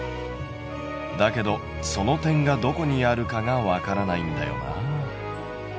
だけどその点がどこにあるかがわからないんだよな。